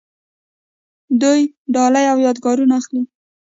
دوی ډالۍ او یادګارونه اخلي.